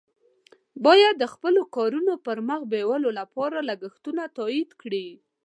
باید د خپلو کارونو د پر مخ بیولو لپاره لګښتونه تادیه کړي.